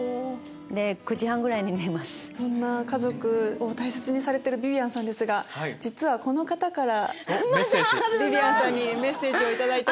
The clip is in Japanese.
そんな家族を大切にされてるビビアンさんですが実はこの方からビビアンさんにメッセージを頂いております。